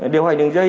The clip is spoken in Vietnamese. điều hành đường dây